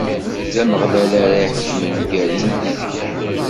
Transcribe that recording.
D Ameɣlal ara iḥekmen gar-i yid-k.